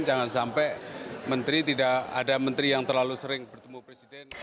jangan sampai menteri tidak ada menteri yang terlalu sering bertemu presiden